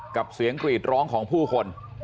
กับเสียงกรีดร้องของผู้คน